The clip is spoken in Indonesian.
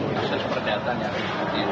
ini kan bapak jepangnya tidak hadir